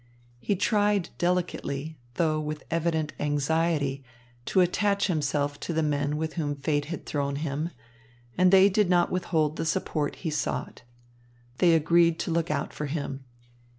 He tried delicately, though with evident anxiety, to attach himself to the men with whom fate had thrown him, and they did not withhold the support he sought. They agreed to look out for him.